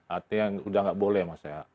artinya sudah tidak boleh maksud saya